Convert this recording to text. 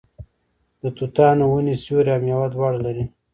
د توتانو ونې سیوری او میوه دواړه لري.